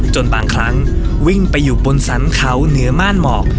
จนบางครั้งวิ่งไปอยู่บนสรรเขาเหนือม่านหมอก